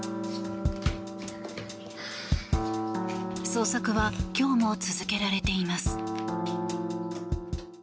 捜索は今日も続けられています。